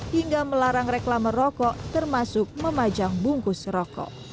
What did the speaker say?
hingga melarang reklama rokok termasuk memajang bungkus rokok